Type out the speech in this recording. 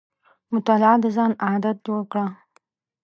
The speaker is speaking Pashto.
مطالعه د ځان عادت جوړ کړه.